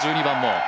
１２番も。